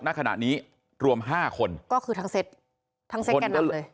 นักขณะนี้รวม๕คนก็คือทั้งเซ็ตแก่นนำเลย